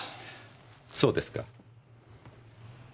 そうですか。